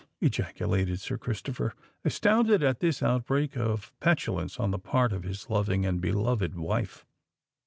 ejaculated Sir Christopher, astounded at this outbreak of petulance on the part of his loving and beloved wife.